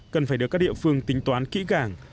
cần phải được các địa phương tính toán kỹ càng